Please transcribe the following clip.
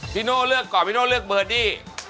พี่โน่เบอร์ดี่